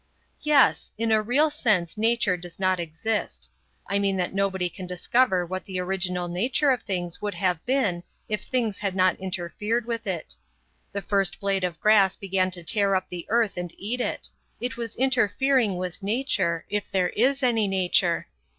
"Yes, in a real sense nature does not exist. I mean that nobody can discover what the original nature of things would have been if things had not interfered with it. The first blade of grass began to tear up the earth and eat it; it was interfering with nature, if there is any nature.